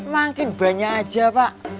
makin banyak aja pak